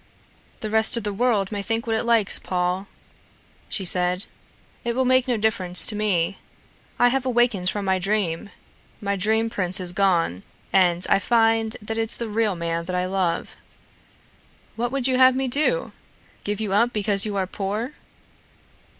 "The rest of the world may think what it likes, Paul," she said. "It will make no difference to me. I have awakened from my dream. My dream prince is gone, and I find that it's the real man that I love. What would you have me do? Give you up because you are poor?